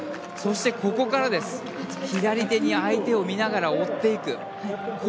そして、ここから左手に相手を見ながら追っていく。